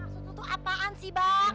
maksud lu tuh apaan sih bang